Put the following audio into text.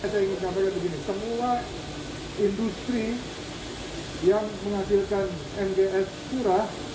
saya ingin sampaikan begini semua industri yang menghasilkan mgs curah